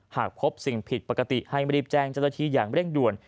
หากพบสิ่งผิดปกติให้รีบแจ้งเจ้าหน้าที่อย่างเร่งด่วน